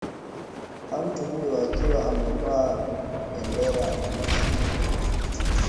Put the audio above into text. na mtu huyo akiwa amevaa bendera nchi moja